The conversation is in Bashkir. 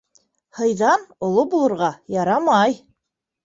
Һыйҙан оло булырға ярамай.